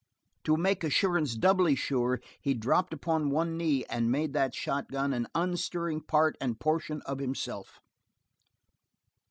To make assurance doubly sure he dropped upon one knee and made that shotgun an unstirring part and portion of himself.